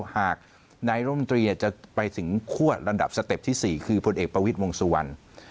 หากนายร่มตรีจะไปถึงคั่วลำดับสเต็ปที่๔คือพลเอกประวิทย์วงสุวรรณ